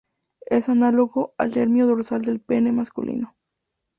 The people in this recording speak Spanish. Es análogo al nervio dorsal del pene masculino.